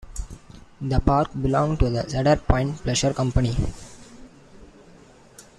The park belonged to the Cedar Point Pleasure Company.